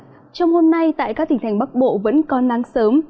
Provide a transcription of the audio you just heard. trong hôm nay tại các tỉnh thành bắc bộ vẫn còn nắng sớm